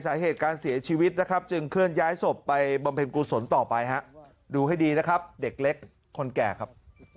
สาเหตุการเสียชีวิตนะครับ